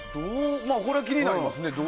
これは気になりますね。